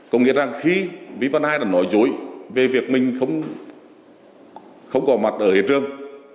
có nghĩa rằng khi vi văn hai đã nói dối về việc mình không có mặt ở hiện trường